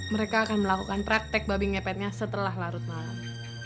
mereka akan melakukan praktek babi ngepetnya setelah larut malam